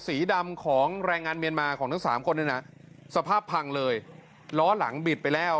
สีดำของแรงงานเมียนมาของทั้งสามคนเนี่ยนะสภาพพังเลยล้อหลังบิดไปแล้ว